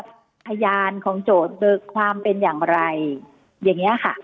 พยานของโจทย์ความเป็นอย่างไรอย่างเงี้ยค่ะ